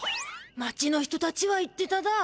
まちの人たちは言ってただ。